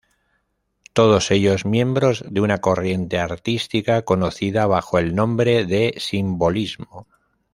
Todos ellos miembros de una corriente artística conocida bajo el nombre de Simbolismo.